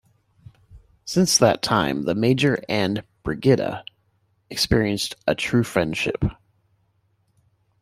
Since that time, the Major and Brigitta experienced a true friendship.